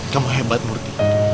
kamu hebat murdi